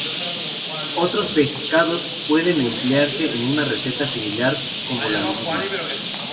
Otros pescados pueden emplearse en receta similar como la lubina.